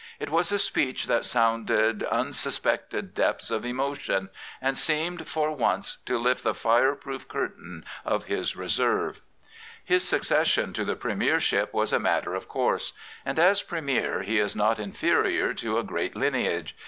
It was a speech that sounded unsuspected depths of emotion, and seemed for once to lift the fire proof curtain of his reserve. c 61 Prophets, Priests, Kings His succession to the Premiership was a matter of course. And as Premier he is not inferior to a great lineage.